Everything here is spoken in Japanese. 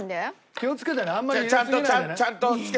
気を付けてね。